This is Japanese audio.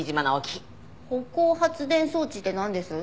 歩行発電装置ってなんです？